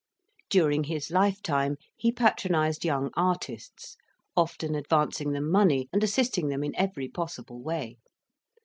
During his lifetime he patronized young artists: often advancing them money, and assisting them in every possible way.